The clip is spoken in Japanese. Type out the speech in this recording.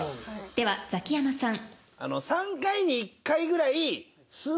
ではザキヤマさん。